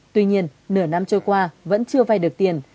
tuy nhiên nửa năm trôi qua vẫn chưa vay được tiền